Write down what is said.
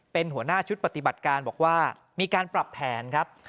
เป็นหัวหน้าชุดปฏิบัติการบอกว่ามีการปรับแผนครับ